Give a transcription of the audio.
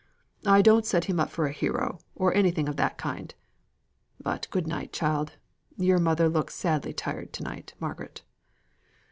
I don't set him up for a hero, or anything of that kind. But good night, child. Your mother looks sadly tired to night, Margaret."